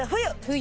冬？